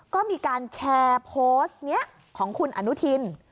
ก็มีการแชร์โพสต์นี้ของคุณอนุทิน